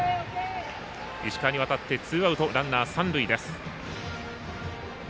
石川に渡ってツーアウトランナー、三塁です。